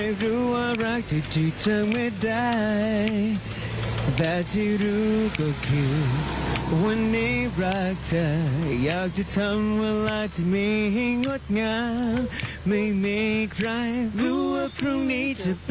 เป็นภาพที่ประทับใจมากเลยค่ะ